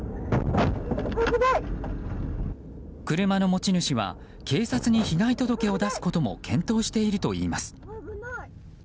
車の持ち主は警察に被害届を出すことも検討しているといいます。